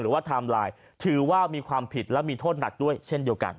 หรือว่าทราบลายรวมความผิดและมีโทษหนักด้วยเช่นเดียวกัน